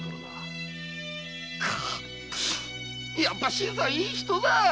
やっぱし新さんいい人だァ。